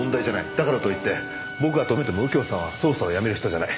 だからといって僕が止めても右京さんは捜査をやめる人じゃない。